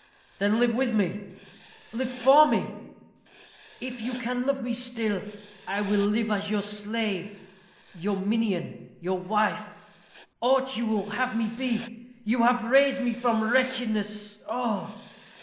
"Then live with me live for me." "If you can love me still, I will live as your slave, your minion, your wife; aught you will have me be. You have raised me from wretchedness. Oh!"